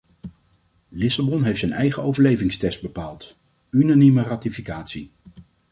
Lissabon heeft zijn eigen overlevingstest bepaald: unanieme ratificatie.